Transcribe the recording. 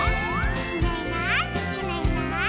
「いないいないいないいない」